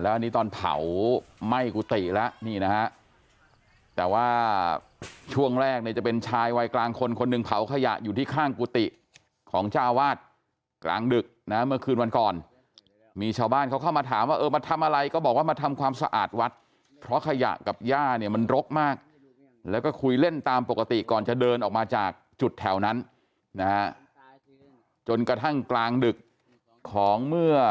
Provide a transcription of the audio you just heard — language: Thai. แล้วอันนี้ตอนเผาไหม้กุฏิแล้วนี่นะฮะแต่ว่าช่วงแรกเนี่ยจะเป็นชายวัยกลางคนคนหนึ่งเผาขยะอยู่ที่ข้างกุฏิของเจ้าวาดกลางดึกนะเมื่อคืนวันก่อนมีชาวบ้านเขาเข้ามาถามว่าเออมาทำอะไรก็บอกว่ามาทำความสะอาดวัดเพราะขยะกับย่าเนี่ยมันรกมากแล้วก็คุยเล่นตามปกติก่อนจะเดินออกมาจากจุดแถวนั้นนะฮะจนกระทั่งกลางดึกของเมื่อ